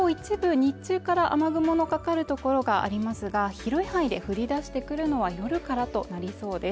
日中から雨雲のかかる所がありますが広い範囲で降り出してくるのは夜からとなりそうです